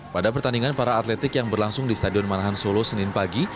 pada pertandingan para atletik yang berlangsung di stadion manahan solo senin pagi